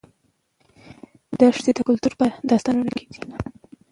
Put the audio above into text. دښتې د کلتور په داستانونو کې دي.